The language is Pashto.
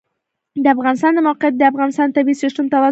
د افغانستان د موقعیت د افغانستان د طبعي سیسټم توازن ساتي.